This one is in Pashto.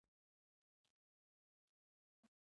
پر اوږه يې لاس راكښېښوو په خندا يې وويل.